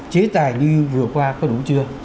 chế tài như vừa qua có đủ chưa